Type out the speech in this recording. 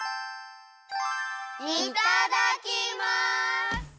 いただきます！